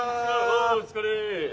お疲れ。